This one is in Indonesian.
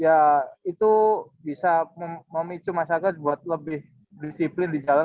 ya itu bisa memicu masyarakat buat lebih disiplin di jalan